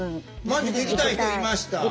万治くん行きたい人いました。